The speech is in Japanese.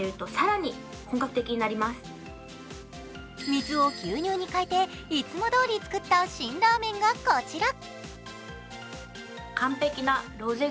水を牛乳にかえて、いつもどおり作った辛ラーメンがこちら。